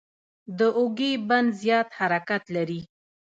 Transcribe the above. د اوږې بند زیات حرکت لري.